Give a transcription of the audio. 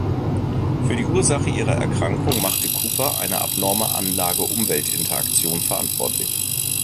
Für die Ursache ihrer Erkrankung machte Cooper eine abnorme Anlage-Umwelt-Interaktion verantwortlich.